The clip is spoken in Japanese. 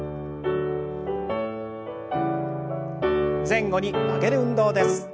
前後に曲げる運動です。